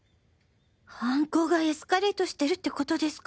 犯行がエスカレートしてるって事ですか？